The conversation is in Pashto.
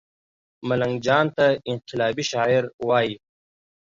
ملنګ جان ته انقلابي شاعر وايي